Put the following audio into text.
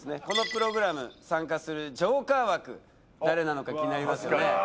このプログラム参加するジョーカー枠誰なのか気になりますよね？